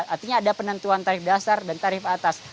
artinya ada penentuan tarif dasar dan tarif atas